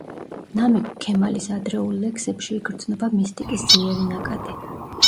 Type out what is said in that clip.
ნამიქ ქემალის ადრეულ ლექსებში იგრძნობა მისტიკის ძლიერი ნაკადი.